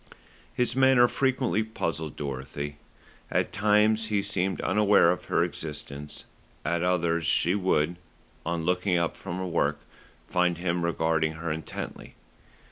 His manner frequently puzzled Dorothy. At times he seemed unaware of her existence; at others she would, on looking up from her work, find him regarding her intently.